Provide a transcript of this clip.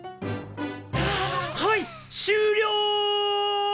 はい終了！